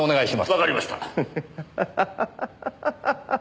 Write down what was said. わかりました。